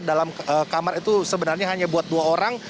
dalam kamar itu sebenarnya hanya buat dua orang